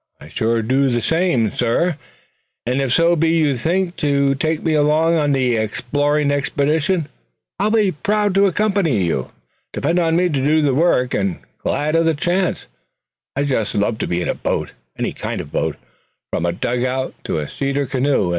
"I surely do the same, suh; and if so be you think to take me along on the exploring expedition I'll be proud to accompany you. Depend on me to do the work, and glad of the chance. I just love to be in a boat, any kind of boat from a dugout to a cedar canoe.